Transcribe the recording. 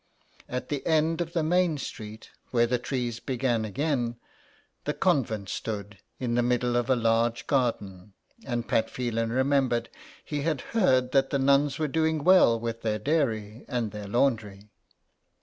At the end of the main street, where the trees began again, the convent stood in the middle of a large garden, and Pat Phelan remembered he had heard that the nuns were doing well with their dairy and their laundry.